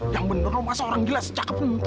yang bener masa orang gila secapa punggung